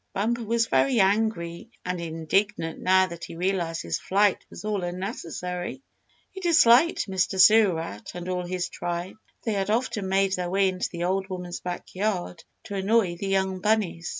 Bumper was very angry and indignant now that he realized his flight was all unnecessary. He disliked Mr. Sewer Rat and all his tribe, for they had often made their way into the old woman's backyard to annoy the young bunnies.